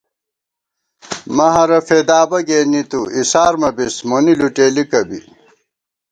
مَہَرہ فېدا بہ گېنی تُو اِسارمہ بِس مونی لُٹېلِکہ بی